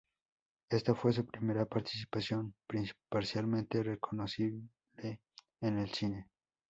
Esta fue su primera participación parcialmente reconocible en el cine.